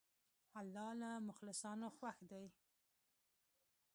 الله له مخلصانو خوښ دی.